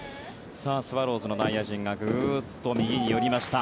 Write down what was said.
スワローズの内野陣がグッと右に寄りました。